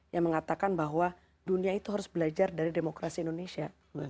yang mengatakan bahwa dunia itu harus belajar dari demokrasi indonesia